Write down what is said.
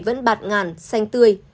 vẫn bạt ngàn xanh tươi